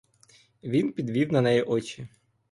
Він підвів на неї очі.